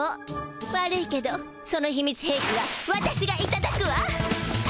悪いけどそのひみつへいきは私がいただくわ！